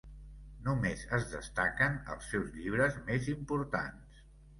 Només es destaquen els seus llibres més importants.